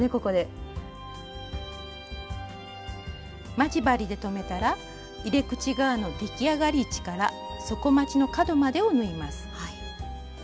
待ち針で留めたら入れ口側の出来上がり位置から底まちの角までを縫います。